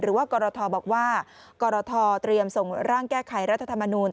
กรทบอกว่ากรทเตรียมส่งร่างแก้ไขรัฐธรรมนูล